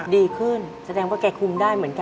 ดีขึ้นแสดงว่าแกคุมได้เหมือนกัน